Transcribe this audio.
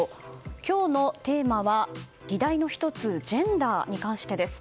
今日のテーマは議題の１つジェンダーに関してです。